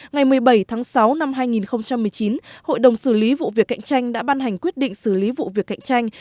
ngày một mươi bảy tháng sáu năm hai nghìn một mươi chín hội đồng xử lý vụ việc cạnh tranh đã ban hành quyết định xử lý vụ việc cạnh tranh